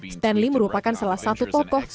stanley merupakan salah satu tokoh